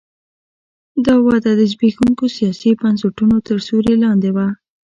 دا وده د زبېښونکو سیاسي بنسټونو تر سیوري لاندې وه.